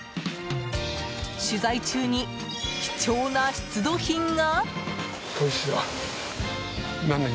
取材中に貴重な出土品が？